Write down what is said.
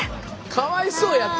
かわいそうやて！